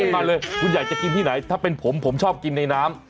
มาเลยคุณอยากจะกินที่ไหนถ้าเป็นผมผมชอบกินในน้ำ